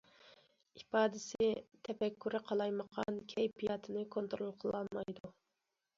ئىپادىسى: تەپەككۇرى قالايمىقان، كەيپىياتىنى كونترول قىلالمايدۇ.